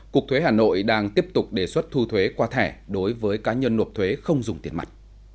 cục thuế hà nội đang tiếp tục đề xuất thu thuế qua thẻ đối với cá nhân nộp thuế không dùng tiền mặt